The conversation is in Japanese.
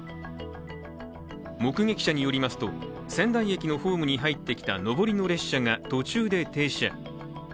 目撃者によりますと仙台駅のホームに入ってきた上りの列車が途中で停車。